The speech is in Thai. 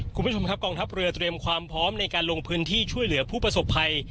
คุณผู้ชมครับกองทัพเรือเตรียมความพร้อมในการลงพื้นที่ช่วยเหลือผู้ประสบภัย